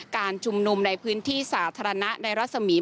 การชุมนุมในพื้นที่สาธารณะในรัศมีร์